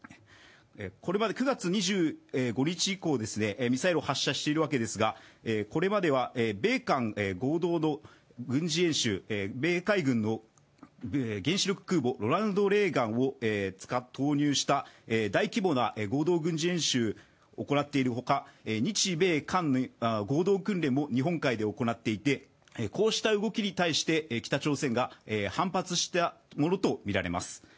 これまで９月２５日以降ミサイルを発射しているわけですがこれまでは米韓合同軍事演習米海軍の原子力空母「ロナルド・レーガン」を投入した大規模な合同軍事演習を行っているほか、日米韓の合同訓練も日本海で行っていてこうした動きに対して北朝鮮が反発したものとみられます。